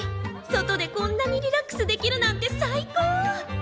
外でこんなにリラックスできるなんて最高！